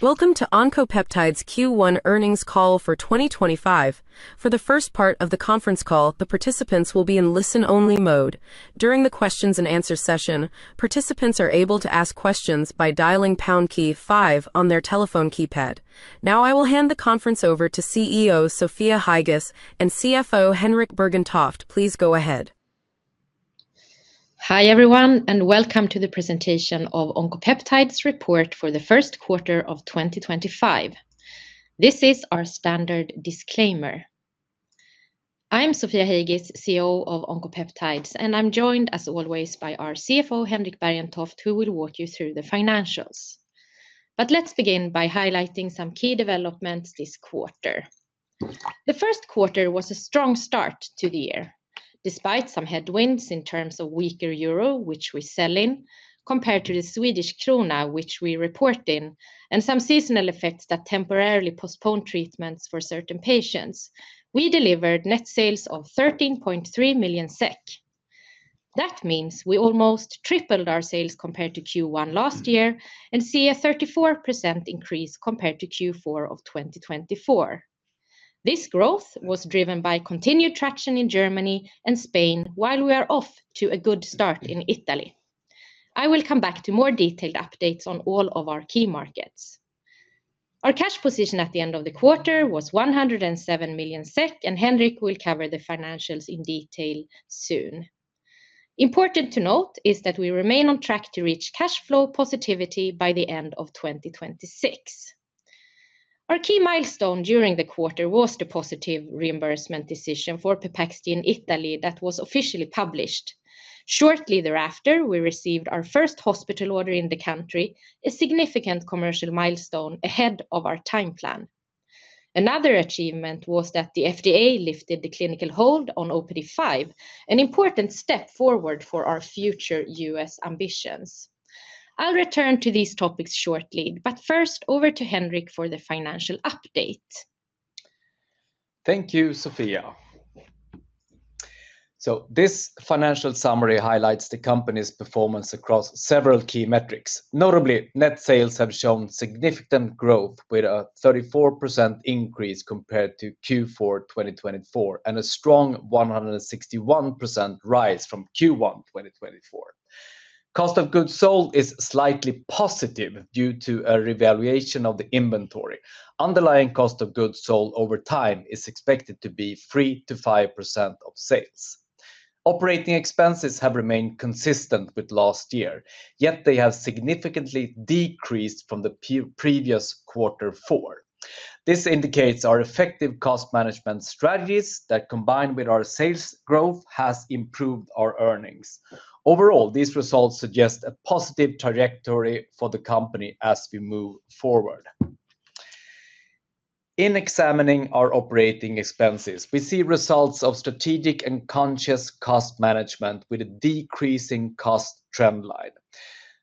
Welcome to Oncopeptides Q1 Earnings Call for 2025. For the first part of the conference call, the participants will be in listen-only mode. During the Q&A session, participants are able to ask questions by dialing pound key 5 on their telephone keypad. Now, I will hand the conference over to CEO Sofia Heigis and CFO Henrik Bergentoft. Please go ahead. Hi everyone, and welcome to the presentation of Oncopeptides' report for first quarter of 2025. This is our standard disclaimer. I'm Sofia Heigis, CEO of Oncopeptides, and I'm joined, as always, by our CFO Henrik Bergentoft, who will walk you through the financials. Let's begin by highlighting some key developments this quarter. The first quarter was a strong start to the year. Despite some headwinds in terms of weaker Euro, which we sell in, compared to the Swedish krona, which we report in, and some seasonal effects that temporarily postponed treatments for certain patients, we delivered net sales of 13.3 million SEK. That means we almost tripled our sales compared to Q1 last year and see a 34% increase compared to Q4 2024. This growth was driven by continued traction in Germany and Spain, while we are off to a good start in Italy. I will come back to more detailed updates on all of our key markets. Our cash position at the end of the quarter was 107 million SEK, and Henrik will cover the financials in detail soon. Important to note is that we remain on track to reach cash flow positivity by the end of 2026. Our key milestone during the quarter was the positive reimbursement decision for Pepaxti in Italy that was officially published. Shortly thereafter, we received our first hospital order in the country, a significant commercial milestone ahead of our timeline. Another achievement was that the U.S. FDA lifted the clinical hold on OPD5, an important step forward for our future U.S. ambitions. I'll return to these topics shortly, but first, over to Henrik for the financial update. Thank you, Sofia. This financial summary highlights the company's performance across several key metrics. Notably, net sales have shown significant growth, with a 34% increase compared to Q4 2024 and a strong 161% rise from Q1 2024. Cost of goods sold is slightly positive due to a revaluation of the inventory. Underlying cost of goods sold over time is expected to be 3%-5% of sales. Operating expenses have remained consistent with last year, yet they have significantly decreased from the previous quarter four. This indicates our effective cost management strategies that, combined with our sales growth, have improved our earnings. Overall, these results suggest a positive trajectory for the company as we move forward. In examining our operating expenses, we see results of strategic and conscious cost management with a decreasing cost trendline.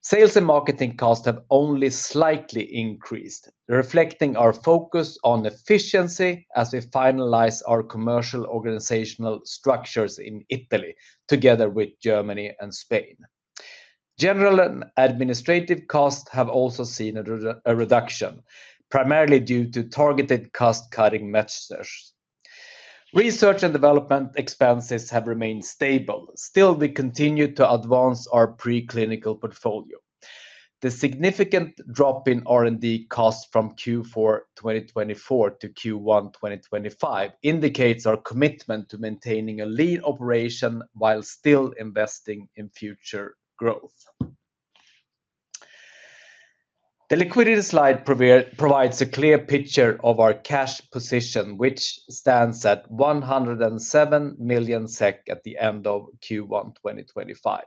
Sales and marketing costs have only slightly increased, reflecting our focus on efficiency as we finalize our commercial organizational structures in Italy, together with Germany and Spain. General and administrative costs have also seen a reduction, primarily due to targeted cost-cutting measures. Research and development expenses have remained stable. Still, we continue to advance our pre-clinical portfolio. The significant drop in R&D costs from Q4 2024 to Q1 2025 indicates our commitment to maintaining a lean operation while still investing in future growth. The liquidity slide provides a clear picture of our cash position, which stands at 107 million SEK at the end of Q1 2025.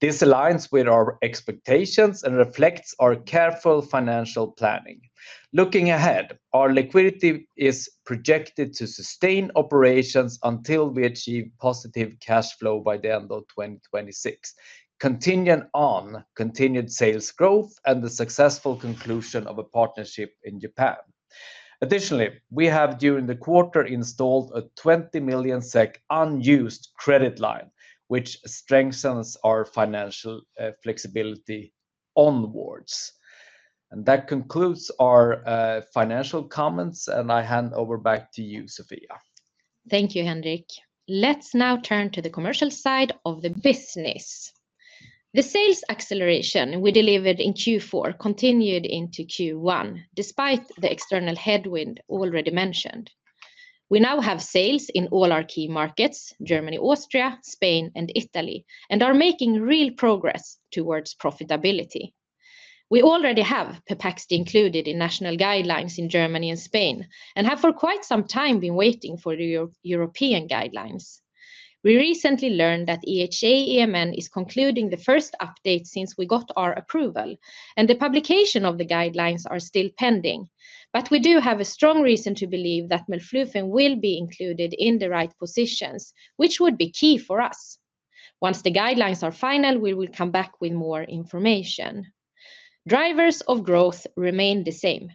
This aligns with our expectations and reflects our careful financial planning. Looking ahead, our liquidity is projected to sustain operations until we achieve positive cash flow by the end of 2026, continuing on continued sales growth and the successful conclusion of a partnership in Japan. Additionally, we have, during the quarter, installed a 20 million SEK unused credit line, which strengthens our financial flexibility onwards. That concludes our financial comments, and I hand over back to you, Sofia. Thank you, Henrik. Let's now turn to the commercial side of the business. The sales acceleration we delivered in Q4 continued into Q1, despite the external headwind already mentioned. We now have sales in all our key markets: Germany, Austria, Spain, and Italy, and are making real progress towards profitability. We already have Pepaxti included in national guidelines in Germany and Spain and have for quite some time been waiting for European guidelines. We recently learned that EHA EMN is concluding the first update since we got our approval, and the publication of the guidelines is still pending. We do have a strong reason to believe that Melflufen will be included in the right positions, which would be key for us. Once the guidelines are final, we will come back with more information. Drivers of growth remain the same: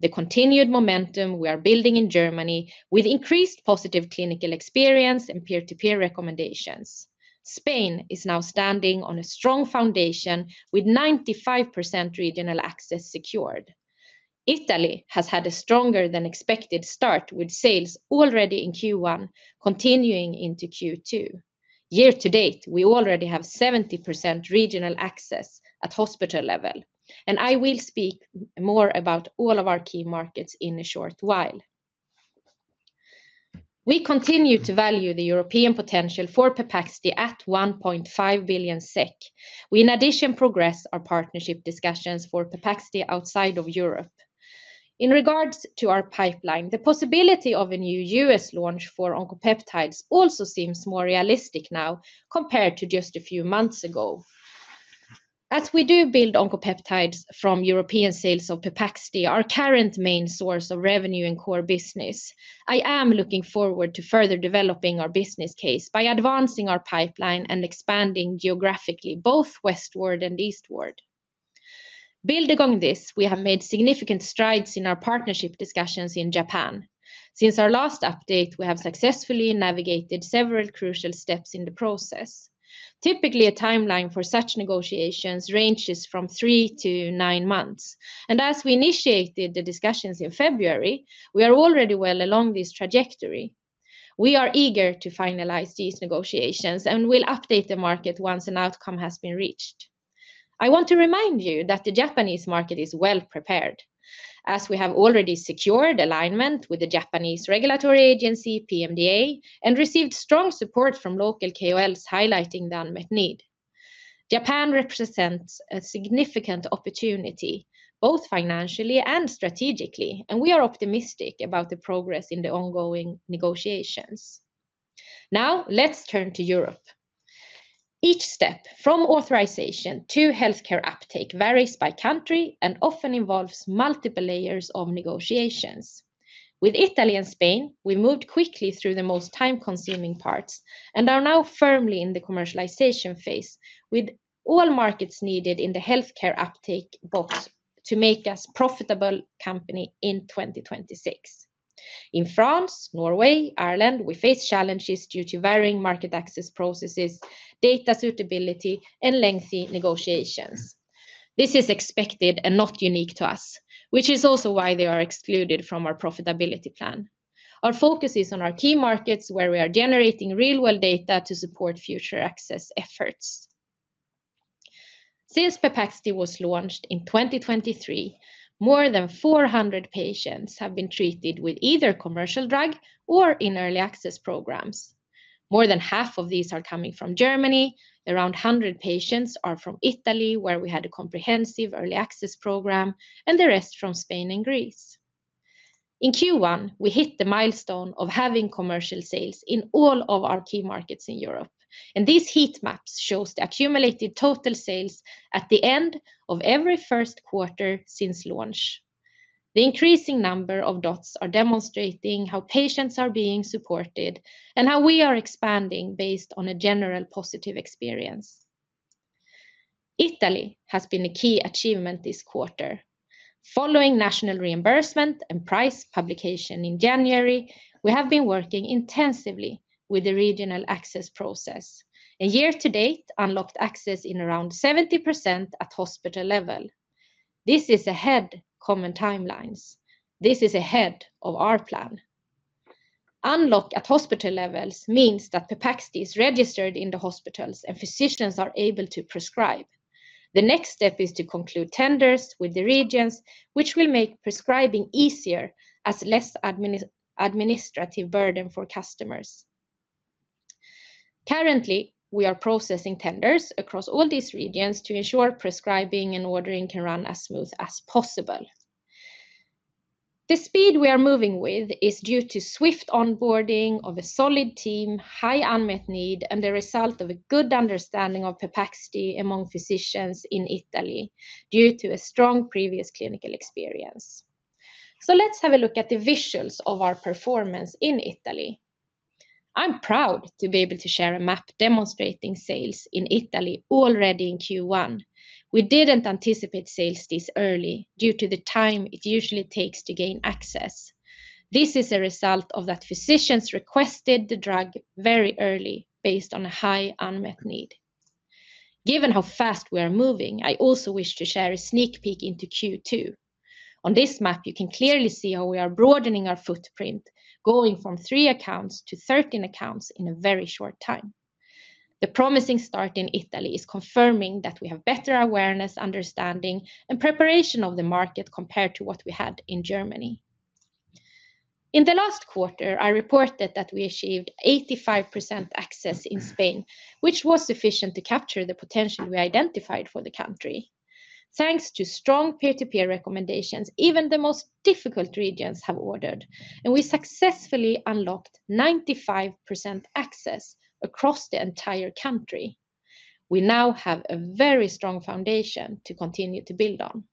the continued momentum we are building in Germany with increased positive clinical experience and peer-to-peer recommendations. Spain is now standing on a strong foundation with 95% regional access secured. Italy has had a stronger-than-expected start with sales already in Q1, continuing into Q2. Year-to-date, we already have 70% regional access at hospital level, and I will speak more about all of our key markets in a short while. We continue to value the European potential for Pepaxti at 1.5 billion SEK. We in addition progress our partnership discussions for Pepaxti outside of Europe. In regards to our pipeline, the possibility of a new U.S. launch for Oncopeptides also seems more realistic now compared to just a few months ago. As we do build Oncopeptides from European sales of Pepaxti, our current main source of revenue and core business, I am looking forward to further developing our business case by advancing our pipeline and expanding geographically, both westward and eastward. Building on this, we have made significant strides in our partnership discussions in Japan. Since our last update, we have successfully navigated several crucial steps in the process. Typically, a timeline for such negotiations ranges from three to nine months, and as we initiated the discussions in February, we are already well along this trajectory. We are eager to finalize these negotiations and will update the market once an outcome has been reached. I want to remind you that the Japanese market is well prepared, as we have already secured alignment with the Japanese regulatory agency, PMDA, and received strong support from local KOLs highlighting the unmet need. Japan represents a significant opportunity, both financially and strategically, and we are optimistic about the progress in the ongoing negotiations. Now, let's turn to Europe. Each step from authorization to healthcare uptake varies by country and often involves multiple layers of negotiations. With Italy and Spain, we moved quickly through the most time-consuming parts and are now firmly in the commercialization phase, with all markets needed in the healthcare uptake box to make us a profitable company in 2026. In France, Norway, and Ireland, we face challenges due to varying market access processes, data suitability, and lengthy negotiations. This is expected and not unique to us, which is also why they are excluded from our profitability plan. Our focus is on our key markets, where we are generating real-world data to support future access efforts. Since Pepaxti was launched in 2023, more than 400 patients have been treated with either commercial drugs or in early access programs. More than half of these are coming from Germany, around 100 patients are from Italy, where we had a comprehensive early access program, and the rest from Spain and Greece. In Q1, we hit the milestone of having commercial sales in all of our key markets in Europe, and these heat maps show the accumulated total sales at the end of every first quarter since launch. The increasing number of dots is demonstrating how patients are being supported and how we are expanding based on a general positive experience. Italy has been a key achievement this quarter. Following national reimbursement and price publication in January, we have been working intensively with the regional access process. Year-to-date, unlocked access is around 70% at hospital level. This is ahead of common timelines. This is ahead of our plan. Unlocked at hospital levels means that Pepaxti is registered in the hospitals and physicians are able to prescribe. The next step is to conclude tenders with the regions, which will make prescribing easier as less administrative burden for customers. Currently, we are processing tenders across all these regions to ensure prescribing and ordering can run as smoothly as possible. The speed we are moving with is due to swift onboarding of a solid team, high unmet need, and the result of a good understanding of Pepaxti among physicians in Italy due to a strong previous clinical experience. Let's have a look at the visuals of our performance in Italy. I'm proud to be able to share a map demonstrating sales in Italy already in Q1. We didn't anticipate sales this early due to the time it usually takes to gain access. This is a result of that physicians requested the drug very early based on a high unmet need. Given how fast we are moving, I also wish to share a sneak peek into Q2. On this map, you can clearly see how we are broadening our footprint, going from three accounts to 13 accounts in a very short time. The promising start in Italy is confirming that we have better awareness, understanding, and preparation of the market compared to what we had in Germany. In the last quarter, I reported that we achieved 85% access in Spain, which was sufficient to capture the potential we identified for the country. Thanks to strong peer-to-peer recommendations, even the most difficult regions have ordered, and we successfully unlocked 95% access across the entire country. We now have a very strong foundation to continue to build on.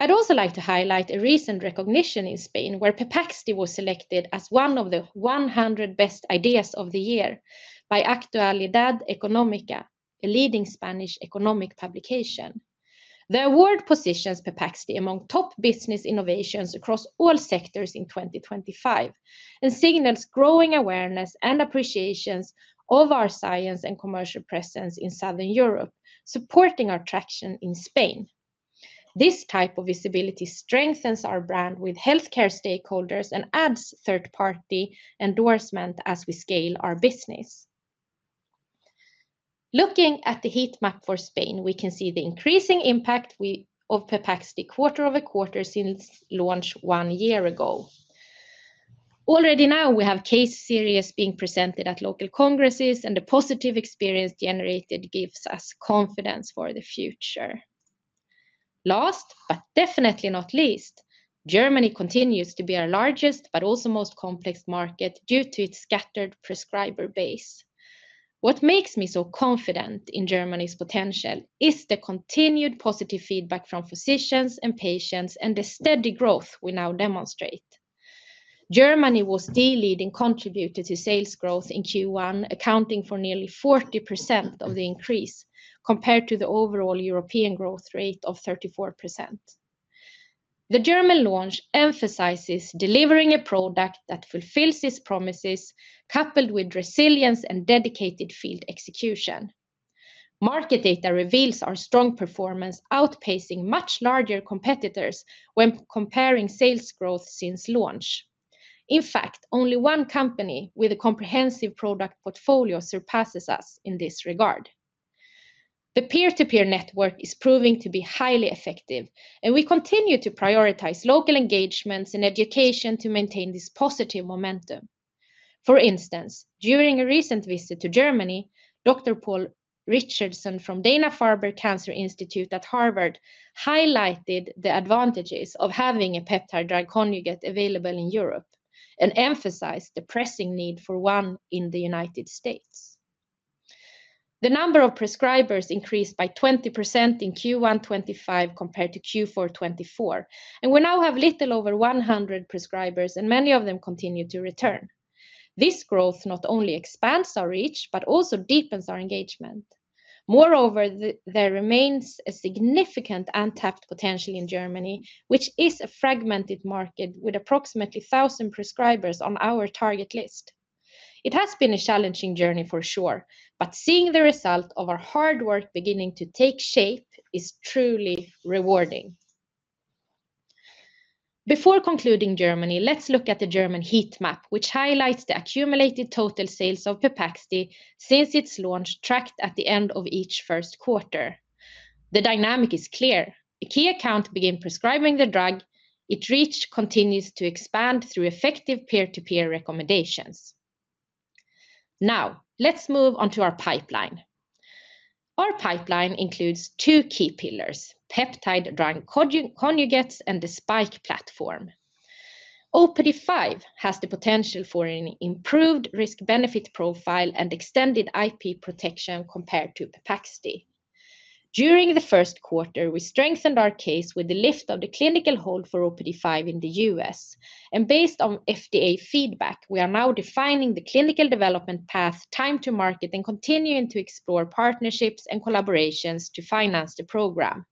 I'd also like to highlight a recent recognition in Spain, where Pepaxti was selected as one of the 100 best ideas of the year by Actualidad Económica, a leading Spanish economic publication. The award positions Pepaxti among top business innovations across all sectors in 2025 and signals growing awareness and appreciation of our science and commercial presence in Southern Europe, supporting our traction in Spain. This type of visibility strengthens our brand with healthcare stakeholders and adds third-party endorsement as we scale our business. Looking at the heat map for Spain, we can see the increasing impact of Pepaxti quarter over quarter since launch one year ago. Already now, we have case series being presented at local congresses, and the positive experience generated gives us confidence for the future. Last, but definitely not least, Germany continues to be our largest, but also most complex market due to its scattered prescriber base. What makes me so confident in Germany's potential is the continued positive feedback from physicians and patients and the steady growth we now demonstrate. Germany was the leading contributor to sales growth in Q1, accounting for nearly 40% of the increase compared to the overall European growth rate of 34%. The German launch emphasizes delivering a product that fulfills its promises, coupled with resilience and dedicated field execution. Market data reveals our strong performance, outpacing much larger competitors when comparing sales growth since launch. In fact, only one company with a comprehensive product portfolio surpasses us in this regard. The peer-to-peer network is proving to be highly effective, and we continue to prioritize local engagements and education to maintain this positive momentum. For instance, during a recent visit to Germany, Dr. Paul Richardson from Dana-Farber Cancer Institute at Harvard highlighted the advantages of having a peptide drug conjugate available in Europe and emphasized the pressing need for one in the United States. The number of prescribers increased by 20% in Q1 2025 compared to Q4 2024, and we now have a little over 100 prescribers, and many of them continue to return. This growth not only expands our reach, but also deepens our engagement. Moreover, there remains a significant untapped potential in Germany, which is a fragmented market with approximately 1,000 prescribers on our target list. It has been a challenging journey for sure, but seeing the result of our hard work beginning to take shape is truly rewarding. Before concluding Germany, let's look at the German heat map, which highlights the accumulated total sales of Pepaxti since its launch tracked at the end of each first quarter. The dynamic is clear. The key account began prescribing the drug; its reach continues to expand through effective peer-to-peer recommendations. Now, let's move on to our pipeline. Our pipeline includes two key pillars: peptide drug conjugates and the SPiKE platform. OPD5 has the potential for an improved risk-benefit profile and extended IP protection compared to Pepaxti. During the first quarter, we strengthened our case with the lift of the clinical hold for OPD5 in the U.S., and based on FDA feedback, we are now defining the clinical development path, time to market, and continuing to explore partnerships and collaborations to finance the program.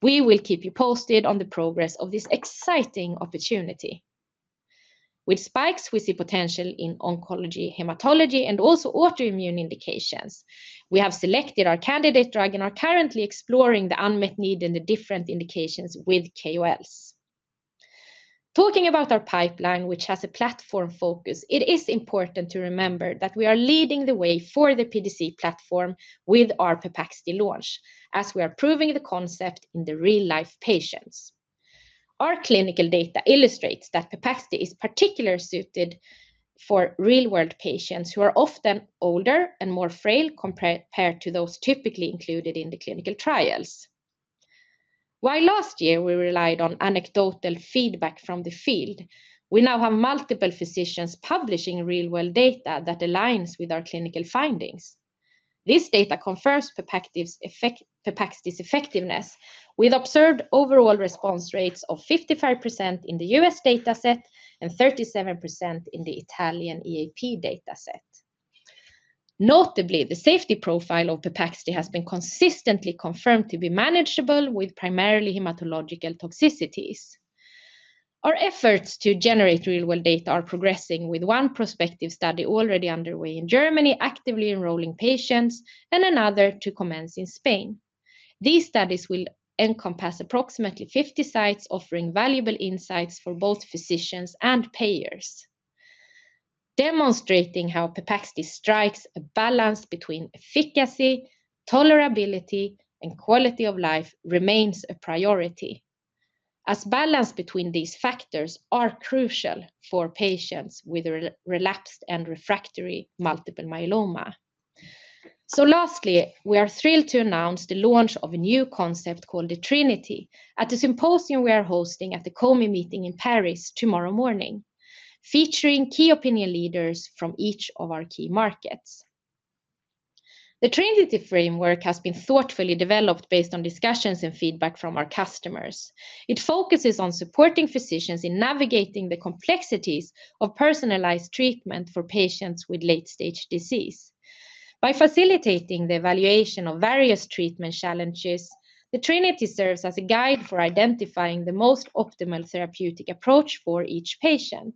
We will keep you posted on the progress of this exciting opportunity. With SPiKE platform, we see potential in oncology, hematology, and also autoimmune indications. We have selected our candidate drug and are currently exploring the unmet need and the different indications with KOLs. Talking about our pipeline, which has a platform focus, it is important to remember that we are leading the way for the PDC platform with our Pepaxti launch, as we are proving the concept in real-life patients. Our clinical data illustrates that Pepaxti is particularly suited for real-world patients who are often older and more frail compared to those typically included in the clinical trials. While last year we relied on anecdotal feedback from the field, we now have multiple physicians publishing real-world data that aligns with our clinical findings. This data confirms Pepaxti's effectiveness, with observed overall response rates of 55% in the U.S. dataset and 37% in the Italian EAP dataset. Notably, the safety profile of Pepaxti has been consistently confirmed to be manageable with primarily hematological toxicities. Our efforts to generate real-world data are progressing, with one prospective study already underway in Germany, actively enrolling patients, and another to commence in Spain. These studies will encompass approximately 50 sites, offering valuable insights for both physicians and payers, demonstrating how Pepaxti strikes a balance between efficacy, tolerability, and quality of life remains a priority, as balance between these factors is crucial for patients with relapsed and refractory multiple myeloma. Lastly, we are thrilled to announce the launch of a new concept called the Trinity at the symposium we are hosting at the COMy meeting in Paris tomorrow morning, featuring key opinion leaders from each of our key markets. The Trinity framework has been thoughtfully developed based on discussions and feedback from our customers. It focuses on supporting physicians in navigating the complexities of personalized treatment for patients with late-stage disease. By facilitating the evaluation of various treatment challenges, the Trinity serves as a guide for identifying the most optimal therapeutic approach for each patient.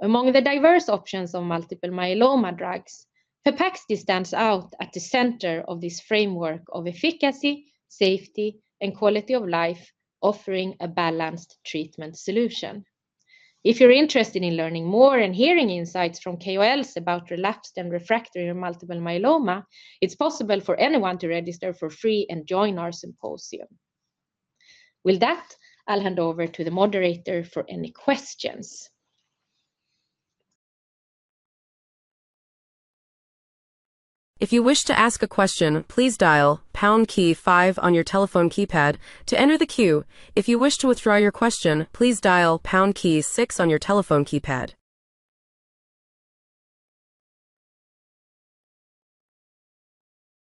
Among the diverse options of multiple myeloma drugs, Pepaxti stands out at the center of this framework of efficacy, safety, and quality of life, offering a balanced treatment solution. If you're interested in learning more and hearing insights from KOLs about relapsed and refractory multiple myeloma, it's possible for anyone to register for free and join our symposium. With that, I'll hand over to the moderator for any questions. If you wish to ask a question, please dial #5 on your telephone keypad to enter the queue. If you wish to withdraw your question, please dial #6 on your telephone keypad.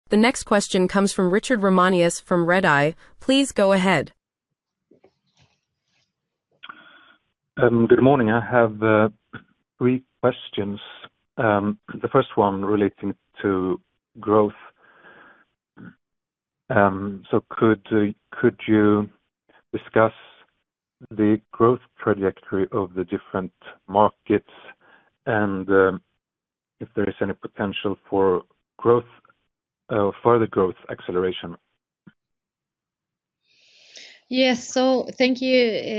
The next question comes from Richard Romanes from Redeye. Please go ahead. Good morning. I have three questions. The first one relating to growth. Could you discuss the growth trajectory of the different markets and if there is any potential for further growth acceleration? Yes. Thank you,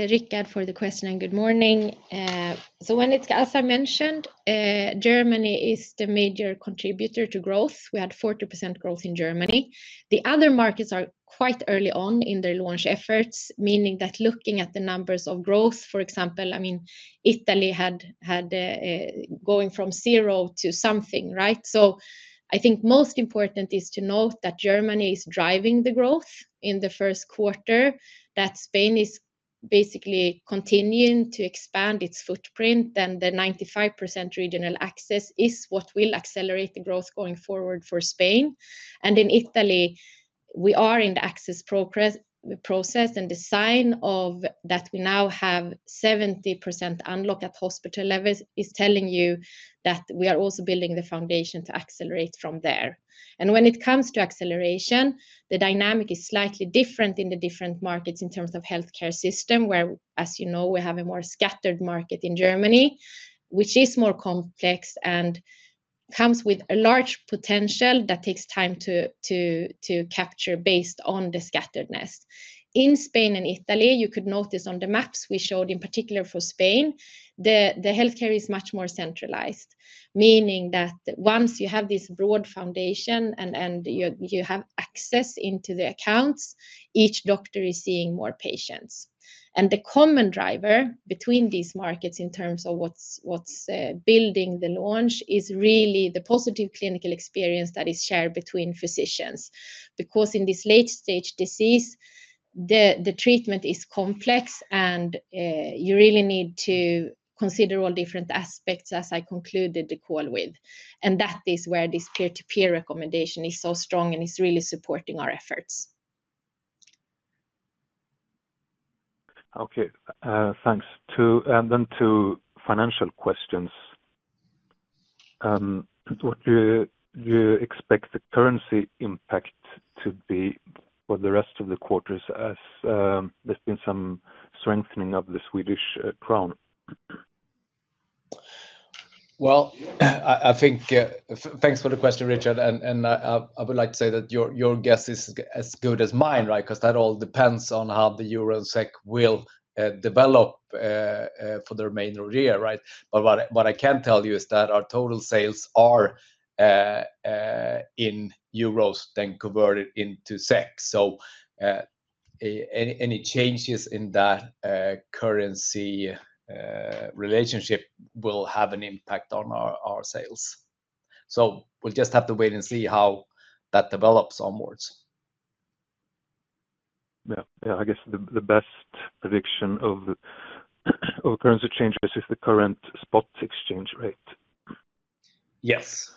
Richard, for the question, and good morning. When it's, as I mentioned, Germany is the major contributor to growth. We had 40% growth in Germany. The other markets are quite early on in their launch efforts, meaning that looking at the numbers of growth, for example, I mean, Italy had going from zero to something, right? I think most important is to note that Germany is driving the growth in the first quarter, that Spain is basically continuing to expand its footprint, and the 95% regional access is what will accelerate the growth going forward for Spain. In Italy, we are in the access process, and the sign that we now have 70% unlocked at hospital levels is telling you that we are also building the foundation to accelerate from there. When it comes to acceleration, the dynamic is slightly different in the different markets in terms of healthcare system, where, as you know, we have a more scattered market in Germany, which is more complex and comes with a large potential that takes time to capture based on the scatteredness. In Spain and Italy, you could notice on the maps we showed, in particular for Spain, the healthcare is much more centralized, meaning that once you have this broad foundation and you have access into the accounts, each doctor is seeing more patients. The common driver between these markets in terms of what is building the launch is really the positive clinical experience that is shared between physicians, because in this late-stage disease, the treatment is complex, and you really need to consider all different aspects, as I concluded the call with. That is where this peer-to-peer recommendation is so strong, and it is really supporting our efforts. Okay. Thanks. Two financial questions. What do you expect the currency impact to be for the rest of the quarters as there has been some strengthening of the Swedish krona? I think thanks for the question, Richard. I would like to say that your guess is as good as mine, right? That all depends on how the Euro SEK will develop for the remainder of the year, right? What I can tell you is that our total sales are in euros then converted into SEK. Any changes in that currency relationship will have an impact on our sales. We will just have to wait and see how that develops onwards. Yeah. I guess the best prediction of currency changes is the current spot exchange rate. Yes.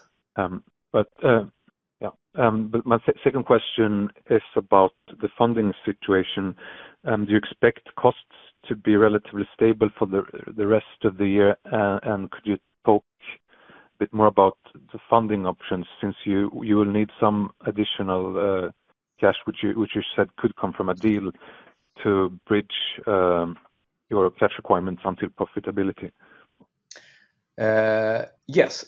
My second question is about the funding situation. Do you expect costs to be relatively stable for the rest of the year? Could you talk a bit more about the funding options since you will need some additional cash, which you said could come from a deal to bridge your cash requirements until profitability? Yes.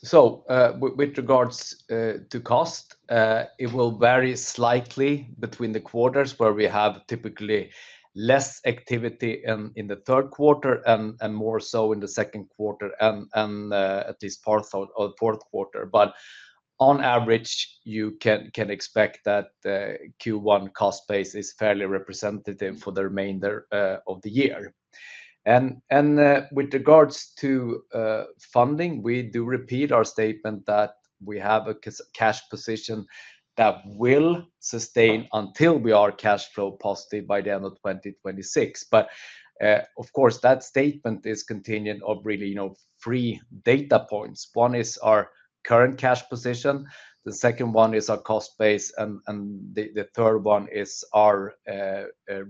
With regards to cost, it will vary slightly between the quarters where we have typically less activity in the third quarter and more so in the second quarter and at least part of the fourth quarter. On average, you can expect that Q1 cost base is fairly representative for the remainder of the year. With regards to funding, we do repeat our statement that we have a cash position that will sustain until we are cash flow positive by the end of 2026. Of course, that statement is contingent on really three data points. One is our current cash position. The second one is our cost base. The third one is our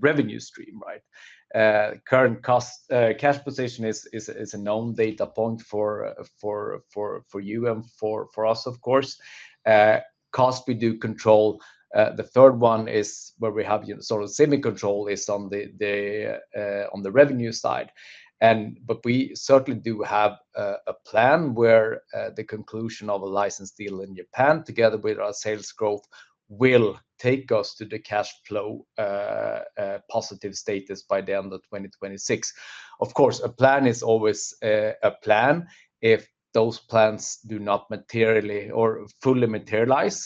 revenue stream, right? Current cash position is a known data point for you and for us, of course. Cost, we do control. The third one is where we have sort of semi-control is on the revenue side. We certainly do have a plan where the conclusion of a license deal in Japan, together with our sales growth, will take us to the cash flow positive status by the end of 2026. Of course, a plan is always a plan. If those plans do not materially or fully materialize,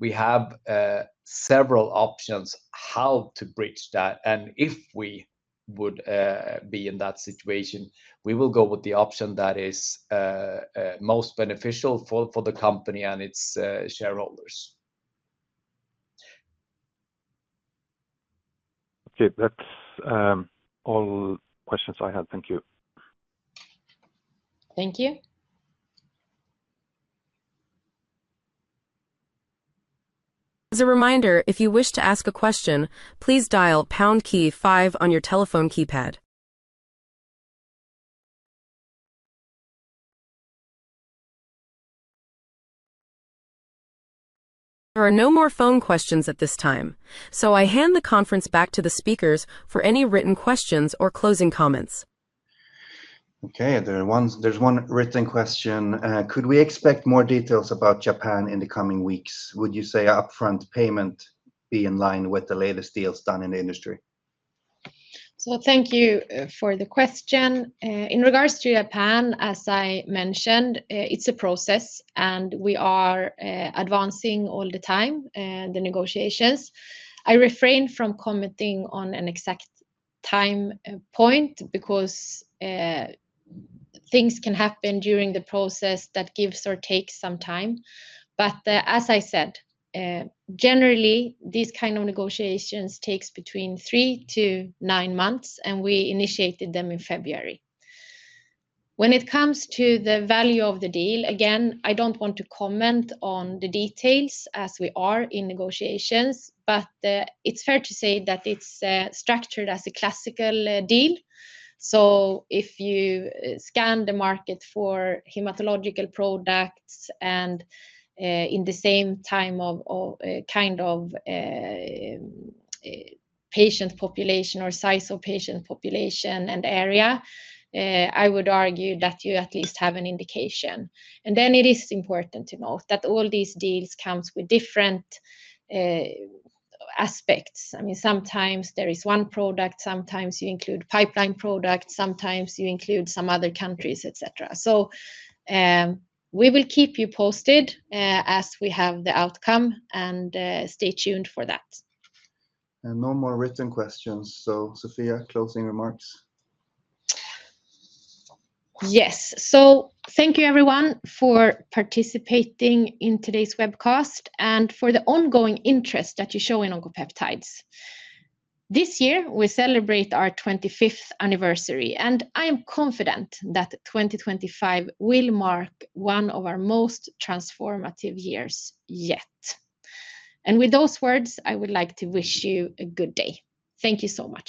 we have several options how to bridge that. If we would be in that situation, we will go with the option that is most beneficial for the company and its shareholders. Okay. That's all questions I had. Thank you. Thank you. As a reminder, if you wish to ask a question, please dial #5 on your telephone keypad. There are no more phone questions at this time, so I hand the conference back to the speakers for any written questions or closing comments. Okay. There's one written question. Could we expect more details about Japan in the coming weeks? Would you say upfront payment be in line with the latest deals done in the industry? So thank you for the question. In regards to Japan, as I mentioned, it's a process, and we are advancing all the time, the negotiations. I refrain from commenting on an exact time point because things can happen during the process that gives or takes some time. But as I said, generally, these kinds of negotiations take between three to nine months, and we initiated them in February. When it comes to the value of the deal, again, I don't want to comment on the details as we are in negotiations, but it's fair to say that it's structured as a classical deal. If you scan the market for hematological products and in the same time of kind of patient population or size of patient population and area, I would argue that you at least have an indication. It is important to note that all these deals come with different aspects. I mean, sometimes there is one product, sometimes you include pipeline products, sometimes you include some other countries, etc. We will keep you posted as we have the outcome, and stay tuned for that. No more written questions. Sofia, closing remarks? Yes. Thank you, everyone, for participating in today's webcast and for the ongoing interest that you show in Oncopeptides. This year, we celebrate our 25th anniversary, and I am confident that 2025 will mark one of our most transformative years yet. With those words, I would like to wish you a good day. Thank you so much.